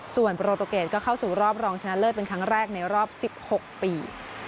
ส่วนโปรตูเกตก็เข้าสู่รอบรองชนะเลิศเป็นครั้งแรกในรอบ๑๖ปี